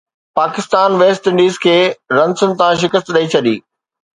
Pakistan West Indies کي رنسن تان شڪست ڏئي ڇڏي